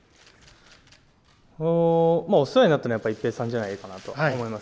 お世話にはなったのはやっぱり一平さんじゃないかなと思います。